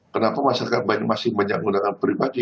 kenapa masyarakat masih banyak menggunakan pribadi